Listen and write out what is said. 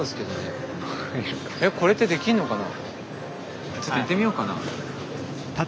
えこれってできんのかな？